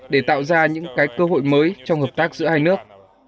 để tạo ra những cơ hội mới trong hợp tác giữa hai nước